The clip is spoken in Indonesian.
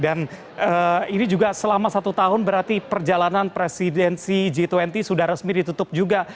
dan ini juga selama satu tahun berarti perjalanan presidensi g dua puluh sudah resmi ditutup juga